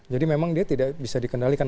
jadi memang dia tidak bisa dikendalikan